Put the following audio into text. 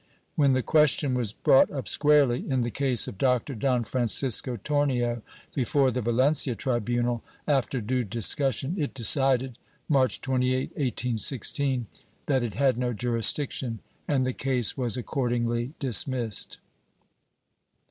^ When the question was brought up squarely, in the case of Doctor Don Francisco Torneo, before the Valencia tribunal, after due discussion it decided, March 28, 1816, that it had no jurisdiction, and the case was accordingly dismissed.